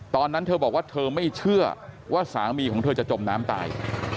ตอนนั้นเธอบอกว่าเธอไม่เชื่อว่าสามีของเธอจะจมน้ำตาย